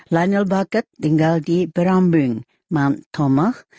karena orang australia merasa